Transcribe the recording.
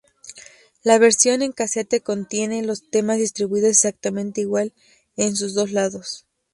La versión en casete contiene los temas distribuidos exactamente igual en sus dos lados.